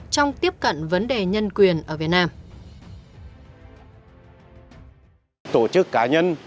trong tiếp cận vấn đề nhân quyền ở việt nam